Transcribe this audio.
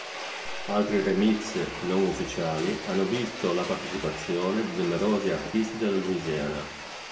Altri remix non ufficiali hanno visto la partecipazione di numerosi artisti della Louisiana.